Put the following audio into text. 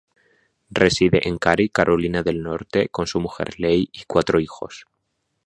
Reside en Cary, Carolina del Norte con su mujer Leigh y cuatro hijos.